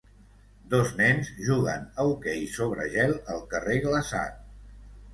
Dos nens juguen a hoquei sobre gel al carrer glaçat.